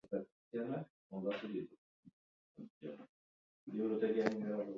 Gainera, talde berrian nola hartu duten kontatu digu.